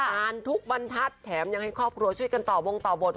อ่านทุกบรรทัศน์แถมยังให้ครอบครัวช่วยกันต่อวงต่อบท